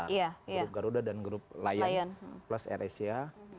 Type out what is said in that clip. grup garuda dan grup lion plus air asia